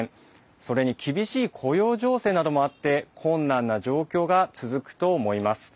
それに厳しい雇用情勢などもあって困難な状況が続くと思います。